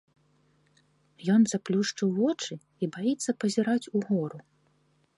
Ён заплюшчыў вочы і баіцца пазіраць угору.